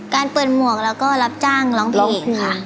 การเปิดหมวกแล้วก็รับจ้างร้องเพลงค่ะ